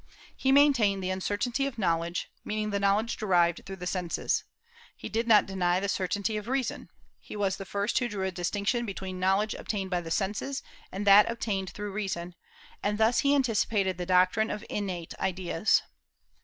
He maintained the uncertainty of knowledge, meaning the knowledge derived through the senses. He did not deny the certainty of reason. He was the first who drew a distinction between knowledge obtained by the senses and that obtained through the reason; and thus he anticipated the doctrine of innate ideas.